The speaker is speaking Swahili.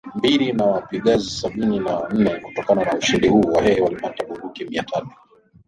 mbili na wapagazi sabini na nne Kutokana ushindi huu Wahehe walipata bunduki mia tatu